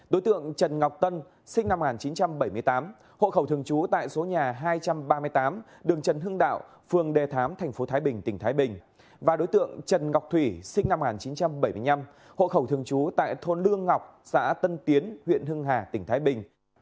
đối tượng trần ngọc thủy sinh năm một nghìn chín trăm bảy mươi năm hộ khẩu thường trú tại thôn lương ngọc xã tân tiến huyện hưng hà tỉnh thái bình